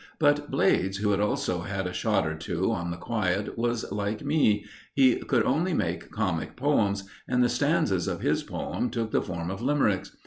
But Blades, who had also had a shot or two on the quiet, was like me he could only make comic poems, and the stanzas of his poem took the form of Limericks.